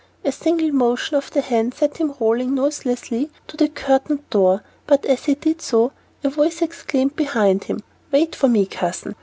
A single motion of the hand sent him rolling noiselessly to the curtained door, but as he did so, a voice exclaimed behind him, "Wait for me, cousin."